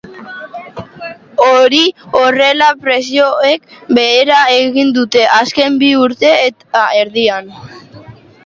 Hori horrela, prezioek behera egin dute azken bi urte eta erdian.